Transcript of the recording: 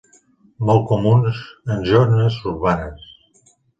Molt comuns en zones urbanes.